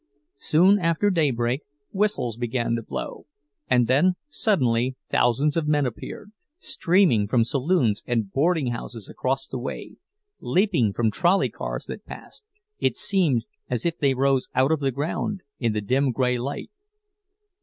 Soon after daybreak whistles began to blow, and then suddenly thousands of men appeared, streaming from saloons and boardinghouses across the way, leaping from trolley cars that passed—it seemed as if they rose out of the ground, in the dim gray light.